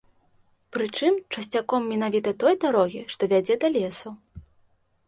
Прычым часцяком менавіта той дарогі, што вядзе да лесу.